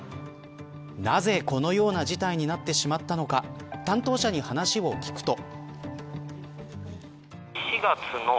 なぜこのような事態になってしまったのか担当者に話を聞くと。